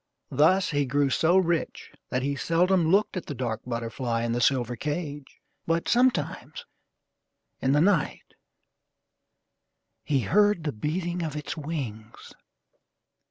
Thus he grew so rich that he seldom looked at the dark butterfly in the silver cage but sometimes, in the night, he heard the beating of its wings.